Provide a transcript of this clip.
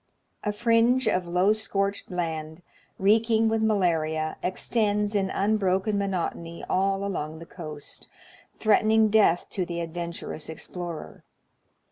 A fringe of low scorched land, reeking with malaria, extends in unbroken monotony all along the coast, threatening death to the adventur ous explorer.